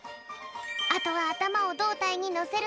あとはあたまをどうたいにのせるだけ。